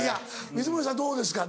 水森さんどうですか？